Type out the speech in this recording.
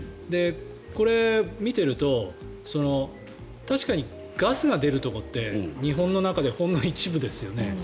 これ、見ていると確かにガスが出るところって日本の中でほんの一部ですよね。